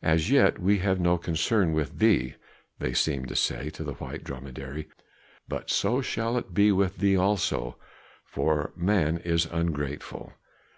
"As yet, we have no concern with thee," they seemed to say to the white dromedary, "but so shall it be with thee also, for man is ungrateful."